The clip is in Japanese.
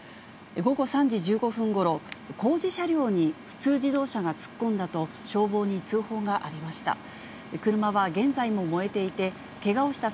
午後３時１５分ごろ、工事車両に普通自動車が突っ込んだと、消防に通報がありました。